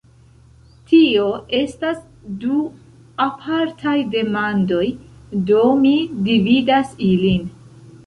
Tio estas du apartaj demandoj, do mi dividas ilin.